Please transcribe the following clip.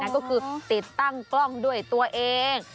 ก็คือติดตั้งกล้องด้วยตัวเอง